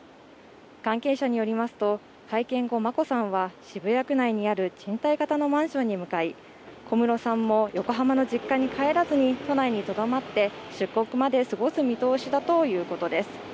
関係者によりますと会見後眞子さんは渋谷区内にある賃貸型のマンションに向かい小室さんも横浜の実家に帰らずに都内にとどまって出国まで過ごす見通しだということです